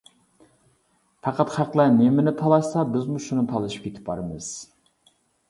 پەقەت خەقلەر نېمىنى تالاشسا بىزمۇ شۇنى تالىشىپ كېتىپ بارىمىز.